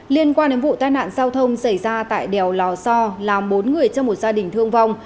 liên quan đến vụ tai nạn giao thông xảy ra tại đèo lò so làm bốn người trong một gia đình thương vong